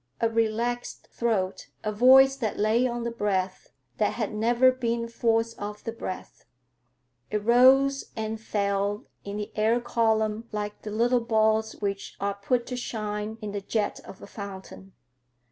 A relaxed throat, a voice that lay on the breath, that had never been forced off the breath; it rose and fell in the air column like the little balls which are put to shine in the jet of a fountain.